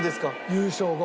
優勝後。